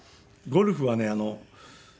ゴルフはね